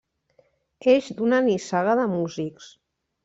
Eix d'una nissaga de músics.